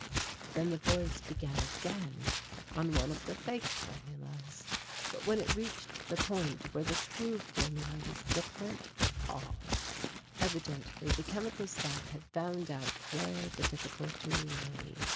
Then the voice began again on one of the fake formulas. But when it reached the point where the true formula was different, it paused; evidently the Chemical Staff had found out where the difficulty lay.